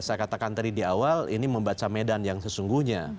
saya katakan tadi di awal ini membaca medan yang sesungguhnya